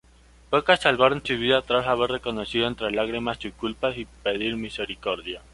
Pocas salvaron sus vidas tras haber reconocido entre lágrimas sus culpas y pedir misericordia.